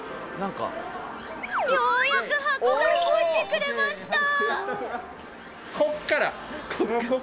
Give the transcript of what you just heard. ようやく箱が動いてくれました。